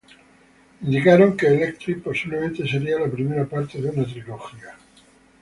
Indicaron que Electric, posiblemente sería la primera parte de una trilogía.